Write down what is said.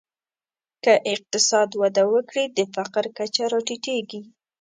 که اقتصاد وده وکړي، د فقر کچه راټیټېږي.